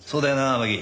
天樹。